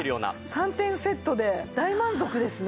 ３点セットで大満足ですね。